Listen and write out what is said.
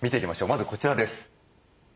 まずこちらです。